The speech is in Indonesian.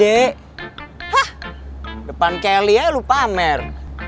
hah depan kelly aja lo pamer